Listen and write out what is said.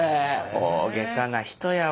大げさな人やわ。